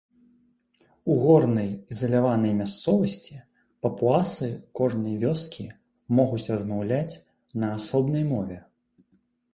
У горнай ізаляванай мясцовасці папуасы кожнай вёскі могуць размаўляць на асобнай мове.